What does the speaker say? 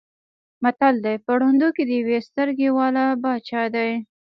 متل دی: په ړندو کې د یوې سترګې واله باچا دی.